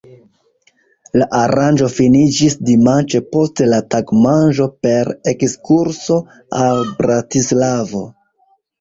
La aranĝo finiĝis dimanĉe post la tagmanĝo per ekskurso al Bratislavo.